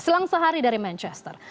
selang sehari dari manchester